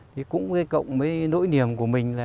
thì cũng gây cộng mấy nỗi niềm của mình